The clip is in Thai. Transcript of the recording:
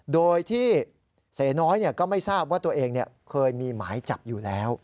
โดยที่เสน้อยก็ไม่ทราบว่าตัวเองเคยมีหมายจับอยู่แล้ว